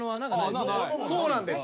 そうなんです。